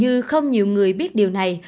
nhưng dường như không nhiều người biết điều này